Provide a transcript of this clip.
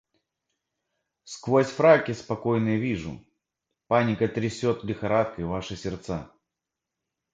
Сквозь фраки спокойные вижу — паника трясет лихорадкой ваши сердца.